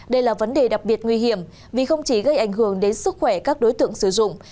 đây là vấn đề đặc biệt nguy hiểm vì không chỉ gây ảnh hưởng đến sức khỏe các đối tượng sử dụng